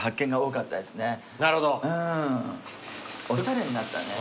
おしゃれになったね